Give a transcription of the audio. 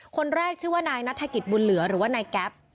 คนแรกชื่อว่านายนัฐกิจบุญเหลือหรือว่านายแก๊ป